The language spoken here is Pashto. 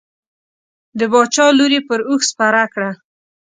د باچا لور یې پر اوښ سپره کړه.